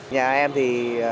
nhà em thì